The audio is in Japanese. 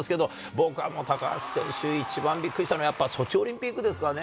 僕はもう、高橋選手、一番びっくりしたのは、やっぱ、ソチオリンピックですかね。